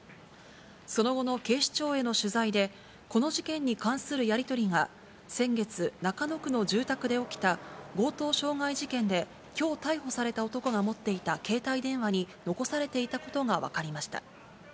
その後の警視庁への取材で、この事件に関するやり取りが先月、中野区の住宅で起きた強盗傷害事件で、きょう逮捕された男が持っていた携帯電話に残されていたことが分かりました。